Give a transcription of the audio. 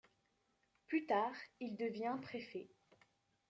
Plus tard, il devient préfet.